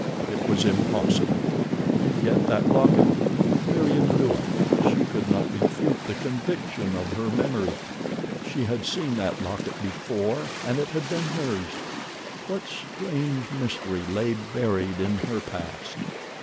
It was impossible, and yet that locket? Meriem knew it. She could not refute the conviction of her memory. She had seen that locket before and it had been hers. What strange mystery lay buried in her past?